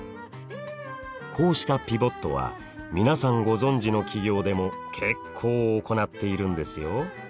こうしたピボットは皆さんご存じの企業でも結構行っているんですよ。